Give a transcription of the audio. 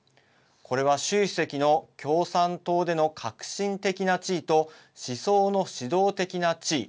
これは習主席の共産党での核心的な地位と思想の指導的な地位。